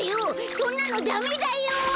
そんなのダメだよ！